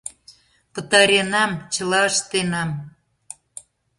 Пытаренам, чыла ыштенам...